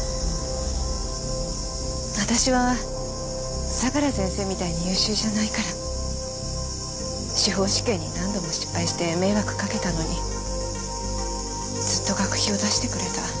私は相良先生みたいに優秀じゃないから司法試験に何度も失敗して迷惑かけたのにずっと学費を出してくれた。